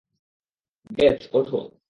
Bathe, ওঠো।